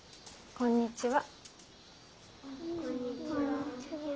こんにちは。